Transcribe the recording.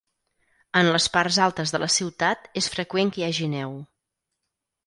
En les parts altes de la ciutat és freqüent que hi hagi neu.